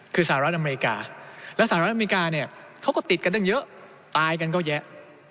คือสหรัฐอเมริกาและสหรัฐอเมริกาเนี่ยเขาก็ติดกันตั้งเยอะตายกันก็แยะ